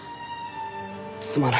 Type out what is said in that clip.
すまない。